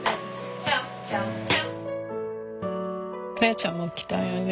來愛ちゃんも来たよね